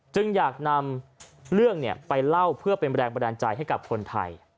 จึงอยากนำเรื่องไปเล่าเพื่อเป็นแรงบันดาลใจให้กับคนไทย